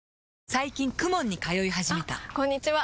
最近 ＫＵＭＯＮ に通い始めたあこんにちは！